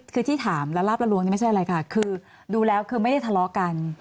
คือที่ถามละลาบละลวงนี่ไม่ใช่อะไรค่ะคือดูแล้วคือไม่ได้ทะเลาะกัน